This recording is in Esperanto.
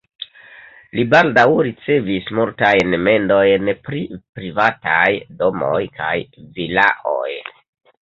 Li baldaŭ ricevis multajn mendojn pri privataj domoj kaj vilaoj.